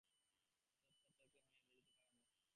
সৎপাত্রে মেয়েকে বিয়ে দিতে পারেন নি।